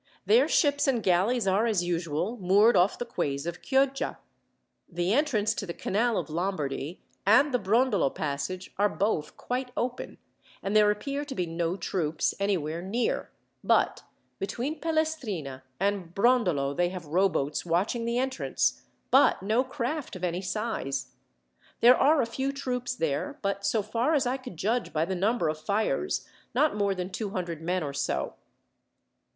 Their ships and galleys are, as usual, moored off the quays of Chioggia. The entrance to the Canal of Lombardy, and the Brondolo passage, are both quite open, and there appear to be no troops anywhere near; but between Pelestrina and Brondolo they have rowboats watching the entrance, but no craft of any size. There are a few troops there, but, so far as I could judge by the number of fires, not more than two hundred men or so."